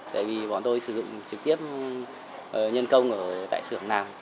tại vì bọn tôi sử dụng trực tiếp nhân công ở tại xưởng làm